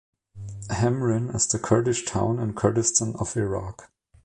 Hamrin is the Kurdish town in Kurdistan of Iraq.